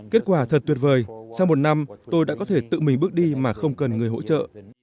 kết quả thật tuyệt vời sau một năm tôi đã có thể tự mình bước đi mà không cần người hỗ trợ